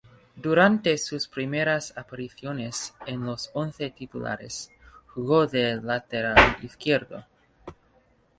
Durante sus primeras apariciones en los once titulares, jugó de lateral izquierdo.